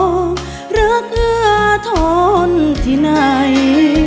เหลือเผื่อทนที่ไหน